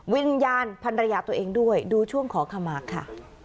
วิญญาณพันรยาตัวเองด้วยดูช่วงขอขมาค่ะ